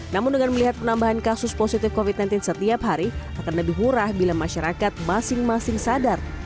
namun dengan melihat penambahan kasus positif covid sembilan belas setiap hari akan lebih murah bila masyarakat masing masing sadar